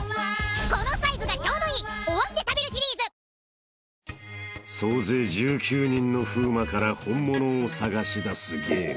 「サントリー天然水」［総勢１９人の風磨から本物を捜し出すゲーム］